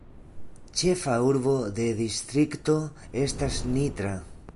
Ĉefa urbo de distrikto estas Nitra.